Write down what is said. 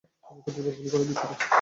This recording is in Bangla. তোমাকে দুইবার গুলি করায় দুঃখিত।